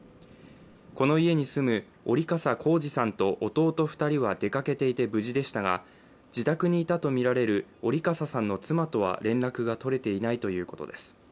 この家に住む折笠光次さんと弟２人は出かけていて無事でしたが自宅にいたとみられる折笠さんの妻とは連絡が取れていないということです。